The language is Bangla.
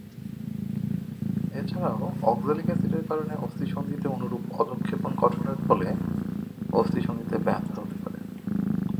এছাড়াও অক্সালিক অ্যাসিডের কারণে অস্থি-সন্ধিতে অনুরূপ অধ:ক্ষেপণ গঠনের ফলে অস্থি-সন্ধিতে ব্যথা হতে পারে।